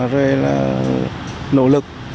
rồi là nỗ lực